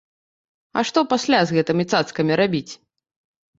А што пасля з гэтымі цацкамі рабіць?